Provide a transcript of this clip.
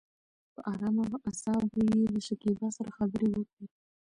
په ارامه اصابو يې له شکيبا سره خبرې وکړې.